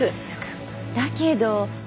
だけど。